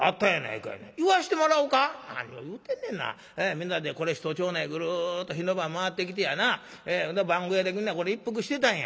みんなでこれ一町内ぐるっと火の番回ってきてやな番小屋でみんな一服してたんや。